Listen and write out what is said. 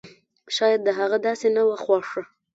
شايد د هغې داسې نه وه خوښه!